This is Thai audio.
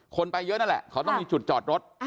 คนไปเยอะนั่นแหละเขาต้องมีจุดจอดรถ